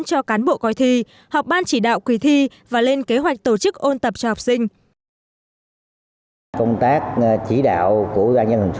cho cán bộ coi thi học ban chỉ đạo kỳ thi và lên kế hoạch tổ chức ôn tập cho học sinh